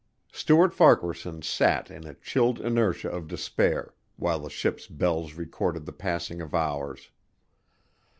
Stuart Farquaharson sat in a chilled inertia of despair while the ship's bells recorded the passing of hours.